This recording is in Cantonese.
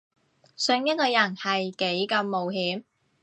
信一個人係幾咁冒險